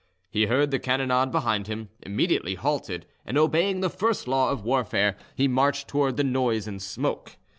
He heard the cannonade behind him, immediately halted, and, obeying the first law of warfare, he marched towards the noise and smoke.